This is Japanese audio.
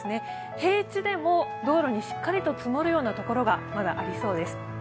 平地でも道路にしっかりと積もるようなところがまだありそうです。